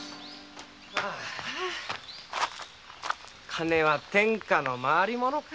「金は天下の回り物」か。